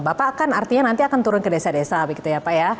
bapak kan artinya nanti akan turun ke desa desa begitu ya pak ya